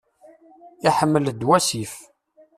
Iḥemmel-d wasif.